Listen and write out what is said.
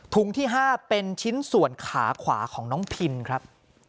ที่๕เป็นชิ้นส่วนขาขวาของน้องพินครับ